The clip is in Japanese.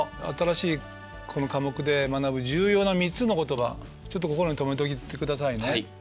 新しいこの科目で学ぶ重要な３つの言葉ちょっと心に留めておいてくださいね。